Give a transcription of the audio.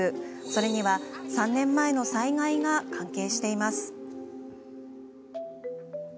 それには、３年前の災害が関係しています。